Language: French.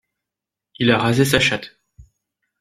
Il a rasé sa chatte.